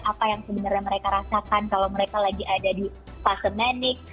apa yang sebenarnya mereka rasakan kalau mereka lagi ada di fase manic